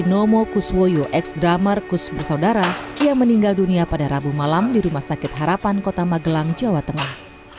nomo kuswoyo ex dramarkus bersaudara yang meninggal dunia pada rabu malam di rumah sakit harapan kota magelang jawa tengah